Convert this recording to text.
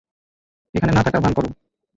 এখানে না থাকার ভান করো।